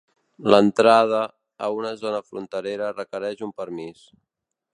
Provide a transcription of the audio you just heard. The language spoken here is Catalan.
L'entrada a una zona fronterera requereix un permís.